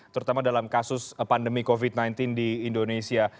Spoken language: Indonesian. terutama dalam kasus pandemi covid sembilan belas di indonesia